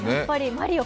「マリオ」